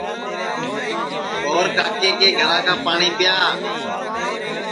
اور کاکے کے گھرا کا پاٹؔی پِیا